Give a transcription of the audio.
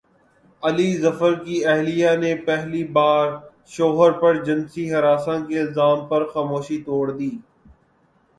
علی ظفر کی اہلیہ نے پہلی بار شوہر پرجنسی ہراسانی کے الزام پر خاموشی توڑ دی